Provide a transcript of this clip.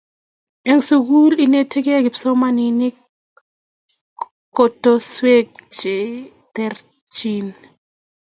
en sukul inetekei kipsomaninik kotoswek cheterchin